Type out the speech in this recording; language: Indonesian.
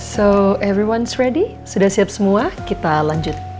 so everyone's ready sudah siap semua kita lanjut